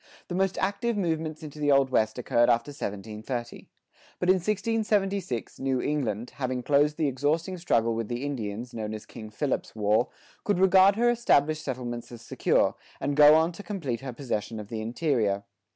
The most active movements into the Old West occurred after 1730. But in 1676 New England, having closed the exhausting struggle with the Indians, known as King Philip's War, could regard her established settlements as secure, and go on to complete her possession of the interior.